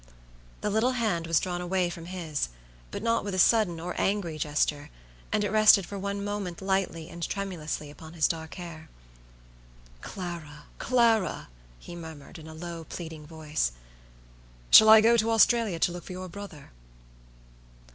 The little hand was drawn away from his, but not with a sudden or angry gesture, and it rested for one moment lightly and tremulously upon his dark hair. "Clara, Clara!" he murmured, in a low, pleading voice, "shall I go to Australia to look for your brother?"